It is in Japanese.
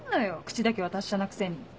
口だけは達者なくせに。